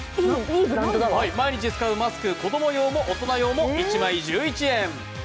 毎日使うマスク、子供用も大人用も１枚１１円。